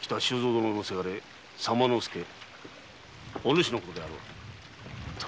殿のせがれ「左馬助」お主のことであろう？